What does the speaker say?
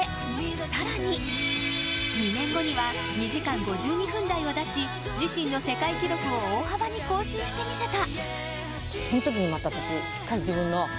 さらに２年後には２時間５２分台を出し自身の世界記録を大幅に更新してみせた。